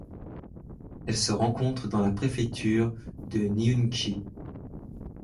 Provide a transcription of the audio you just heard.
Elle se rencontre dans la préfecture de Nyingchi.